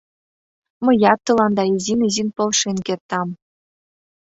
Мыят тыланда изин-изин полшен кертам.